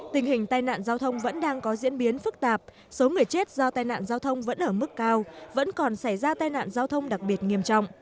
tình hình tai nạn giao thông vẫn đang có diễn biến phức tạp số người chết do tai nạn giao thông vẫn ở mức cao